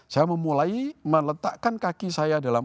saya memulai meletakkan kaki saya dalam